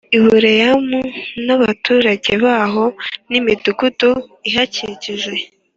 Ibuleyamu n’abaturage baho n’imidugudu ihakikije,